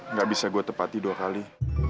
nggak bisa gue tepati dua kali